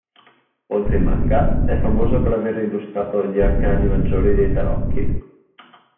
Oltre ai manga, è famosa per aver illustrato gli arcani maggiori dei tarocchi.